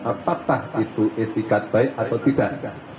apakah itu etikat baik atau tidak